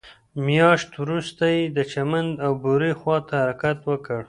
مياشت وروسته يې د چمن او بوري خواته حرکت وکړ.